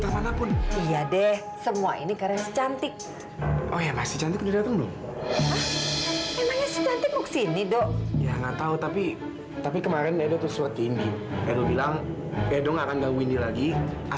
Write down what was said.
aduh anak mana sih kok belum datang juga